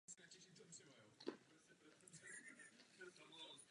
Obec leží na jihovýchodě departementu Ardensko u hranic s departementem Meuse.